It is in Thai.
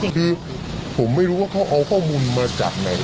คือผมไม่รู้ว่าเขาเอาข้อมูลมาจากไหน